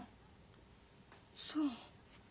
そう。